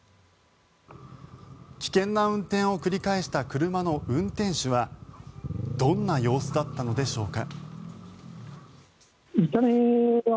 危険な運転を繰り返した車の運転手はどんな様子だったのでしょうか。